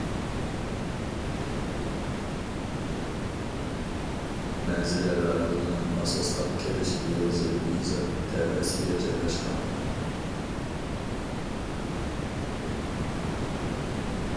مەنزىرە رايونىنىڭ ئاساسلىق كىرىش ئېغىزى يېزا تەۋەسىگە جايلاشقان.